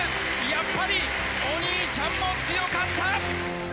やっぱりお兄ちゃんも強かった。